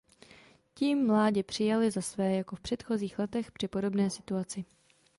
Ti mládě přijali za své jako v předchozích letech při podobné situaci.